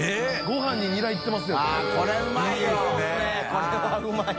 これはうまい。